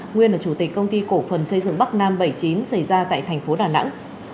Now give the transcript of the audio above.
nguyên là chủ tịch công ty cổ phần xây dựng bắc nam bảy mươi chín xảy ra tại thành phố đà nẵng